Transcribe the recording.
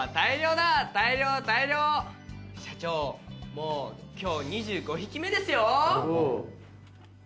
もう今日２５匹目ですよ！！